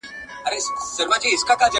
که ته نه وای، زه به په دغو تیارو کې ورک وم.